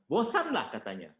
bosan lah katanya